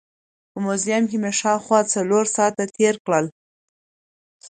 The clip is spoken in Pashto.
په موزیم کې مې شاوخوا څلور ساعت تېر کړل.